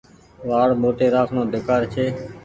وآڙ موٽي رآکڻو بيڪآر ڇي ۔